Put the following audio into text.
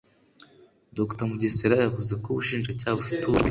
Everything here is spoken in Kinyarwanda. Dr Mugesera yavuze ko Ubushinjacyaha bufite ububasha bukomeye